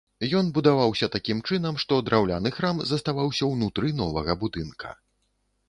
Ён будаваўся такім чынам, што драўляны храм заставаўся ўнутры новага будынка.